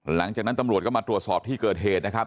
หลังจากนั้นตำรวจก็มาตรวจสอบที่เกิดเหตุนะครับ